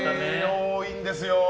多いんですよ。